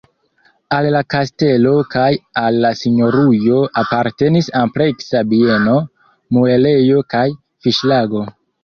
Al la kastelo kaj al la sinjorujo apartenis ampleksa bieno, muelejo kaj fiŝlago.